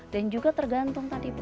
dan juga tergantung tadi bu